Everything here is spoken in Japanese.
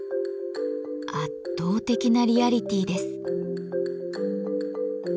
圧倒的なリアリティーです。